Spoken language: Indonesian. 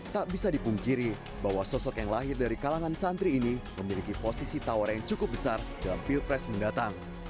tak bisa dipungkiri bahwa sosok yang lahir dari kalangan santri ini memiliki posisi tawar yang cukup besar dalam pilpres mendatang